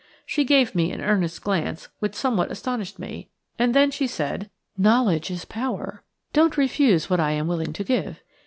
She gave me an earnest glance which somewhat astonished me, and then she said:– "Knowledge is power; don't refuse what I am willing to give.